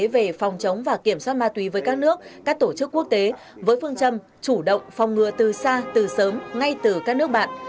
về phòng chống và kiểm soát ma túy với các nước các tổ chức quốc tế với phương châm chủ động phòng ngừa từ xa từ sớm ngay từ các nước bạn